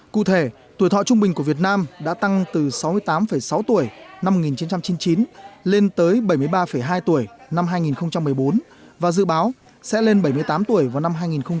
cụ thể tuổi thọ trung bình của việt nam đã tăng từ sáu mươi tám sáu tuổi năm một nghìn chín trăm chín mươi chín lên tới bảy mươi ba hai tuổi năm hai nghìn một mươi bốn và dự báo sẽ lên bảy mươi tám tuổi vào năm hai nghìn hai mươi